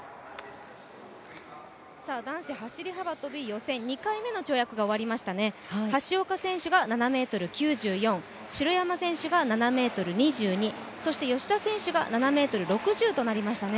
男子走幅跳、予選２回目の跳躍が終わりました橋岡選手は７ｍ９４、城山選手が７ｍ２２そして吉田選手が７ｍ６０となりましたね。